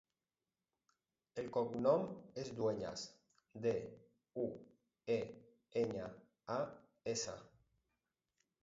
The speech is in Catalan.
El cognom és Dueñas: de, u, e, enya, a, essa.